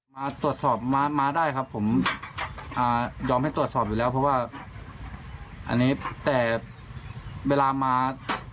มาตรวจสอบมาได้ครับผมยอมให้ตรวจสอบอยู่แล้วเพราะว่าอันนี้แต่เวลามา